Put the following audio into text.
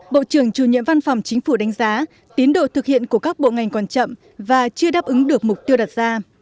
bộ trưởng chủ nhiệm văn phòng chính phủ đánh giá tiến độ thực hiện của các bộ ngành còn chậm và chưa đáp ứng được mục tiêu đặt ra